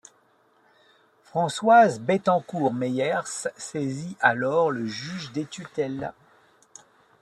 Françoise Bettencourt Meyers saisit alors le juge des tutelles.